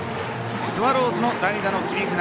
スワローズの代打の切り札